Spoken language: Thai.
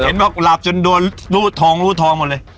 บอกหลับจนโดนรูดทองรูทองหมดเลย